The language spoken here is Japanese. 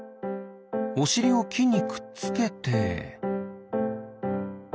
おしりをきにくっつけて。